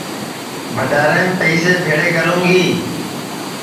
بھڈؔاریم پئسے بھیݪے کروں گی